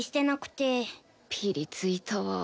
ピリついたわ。